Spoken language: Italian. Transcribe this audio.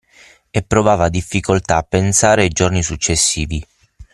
e provava difficoltà a pensare ai giorni successivi.